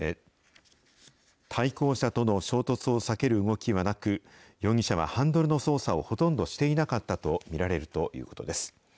対向車との衝突を避ける動きはなく、容疑者はハンドルの操作をほとんどしていなかったと見られるということです。